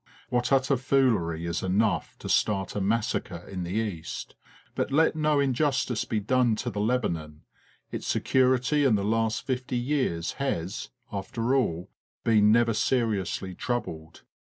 What utter foolery is enough to start a massacre in the East ! But let no injustice be done to the Lebanon. Its security in the last fifty years has, after all, been never seriously troubled.